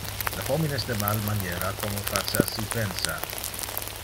Le homines de mal maniera como face assi pensa.